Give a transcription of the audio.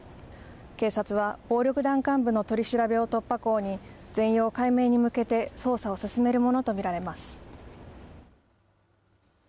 警察は、暴力団幹部の取り調べを突破口に、全容解明に向けて、捜査を進めるものと見られます。